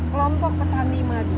kelompok petani madu